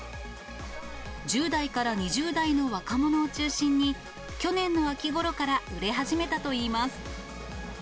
１０代から２０代の若者を中心に、去年の秋ごろから売れ始めたといいます。